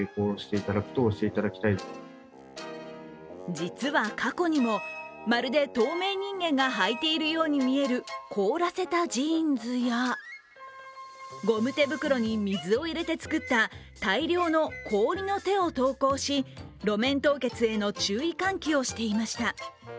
実は過去にもまるで透明人間がはいているように見える凍らせたジーンズやゴム手袋に水を入れて作った大量の氷の手を投稿し路面凍結への注意喚起をしていました。